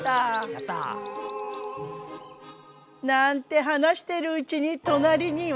やった。なんて話してるうちに隣には。